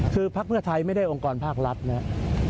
คือพรรคเกื้อไทยไม่ได้องค์กรภากรัฐนั้น